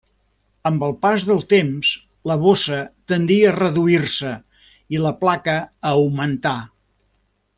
Amb el pas del temps la bossa tendí a reduir-se i la placa a augmentar.